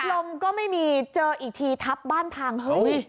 ลมก็ไม่มีเจออีกทีทับบ้านพังเฮ้ย